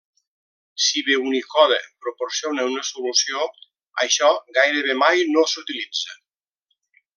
Si bé Unicode, proporciona una solució, això gairebé mai no s'utilitza.